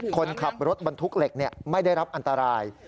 คนขับรถบรรทุกเหล็กไม่ได้รับอันตราย